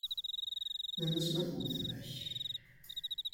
Nnan-as ma d uletma-k.